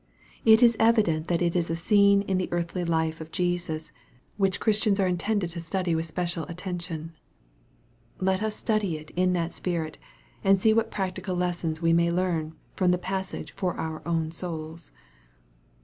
It is evident that it is a scene in the earthly life of Jesus, which Christians are intended to study with special attention. Let us study it in that spirit, and see what practical lessons we may learn from the passage for our own souls.